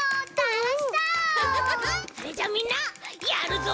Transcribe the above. それじゃあみんなやるぞ！